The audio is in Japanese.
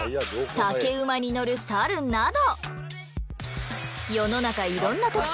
竹馬に乗る猿など。